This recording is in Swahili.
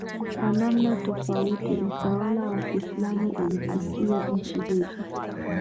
kwa namna tofauti Utawala wa Kiislamu ulifikia nchi hizo